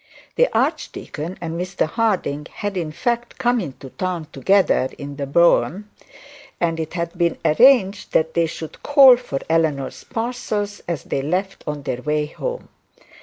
The archdeacon and Mr Harding had in fact come into town together in the brougham, and it had been arranged that they should call for Eleanor's parcels as they left on their way home.